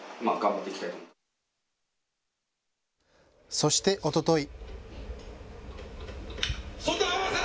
そして、おととい。